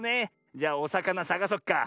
じゃおさかなさがそっか。